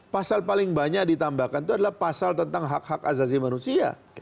pasal paling banyak ditambahkan itu adalah pasal tentang hak hak azazi manusia